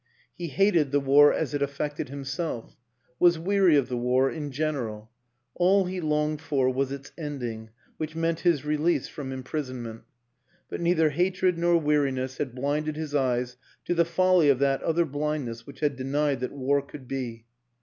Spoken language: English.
He hated the war as it affected himself, was weary of the war in general; all he longed for was its ending, which meant his release from imprisonment; but neither hatred nor weariness had blinded his eyes to the folly of that other blindness which had denied that war could be.